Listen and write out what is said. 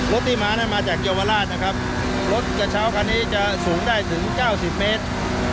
รถที่มานั้นมาจากเยาวราชนะครับรถกระเช้าคันนี้จะสูงได้ถึงเก้าสิบเมตร